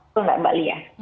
betul nggak mbak lia